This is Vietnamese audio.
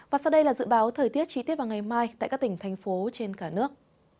và sau đây là dự báo thời tiết chi tiết vào ngày mai tại các tỉnh thành phố trên cả nước